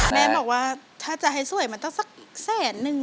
แม่บอกว่าถ้าจะให้สวยมันต้องสักแสนนึง